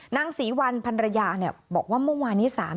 นางศรีวัลพันรยาบอกว่าเมื่อวานนี้